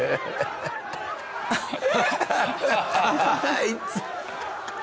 あいつ。